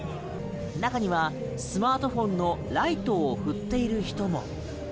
中にはスマートフォンのライトを振っている人も。